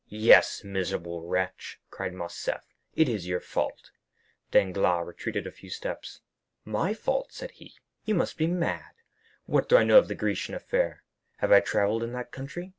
"Yes, miserable wretch!" cried Morcerf, "it is your fault." Danglars retreated a few steps. "My fault?" said he; "you must be mad! What do I know of the Grecian affair? Have I travelled in that country?